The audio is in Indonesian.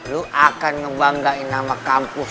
lo akan ngebanggain nama kampus